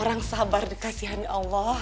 orang sabar dikasihani allah